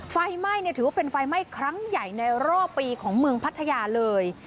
ไฟไหม้ถือว่าเป็นไฟไหม้ครั้งใหญ่ในรอบปีของเมืองพัทยาเลย